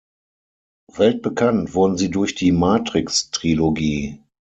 Weltbekannt wurden sie durch die "Matrix"-Trilogie.